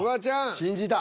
信じた。